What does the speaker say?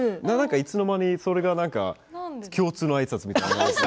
いつの間にか、それは共通のあいさつみたいに。